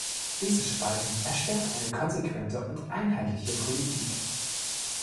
Diese Spaltung erschwert eine konsequente und einheitliche Politik.